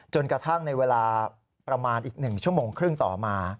จนกระทั่งในเวลาประมาณอีก๑ชั่วโมงครึ่งต่อมา